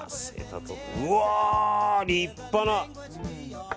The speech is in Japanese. うわ、立派な。